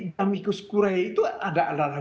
damikus kurei itu adalah